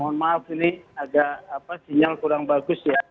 mohon maaf ini agak sinyal kurang bagus ya